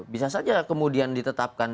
bisa saja kemudian ditetapkan